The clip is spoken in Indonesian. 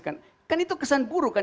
kan itu kesan buruk kan